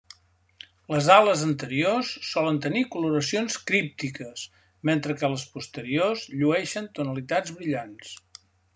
Les ales anteriors solen tenir coloracions críptiques, mentre que a les posteriors llueixen tonalitats brillants.